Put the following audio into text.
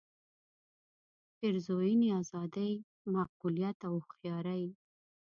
پېرزوینې آزادۍ معقولیت او هوښیارۍ.